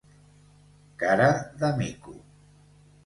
Cara de mico.